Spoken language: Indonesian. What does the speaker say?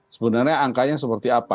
sebenarnya angkanya seperti apa